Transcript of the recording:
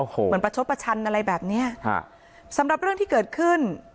เหมือนประชดประชันอะไรแบบเนี้ยฮะสำหรับเรื่องที่เกิดขึ้น